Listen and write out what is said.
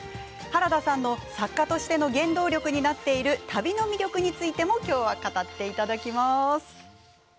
原田さんの作家としての原動力になっている旅の魅力についても今日は語っていただきます。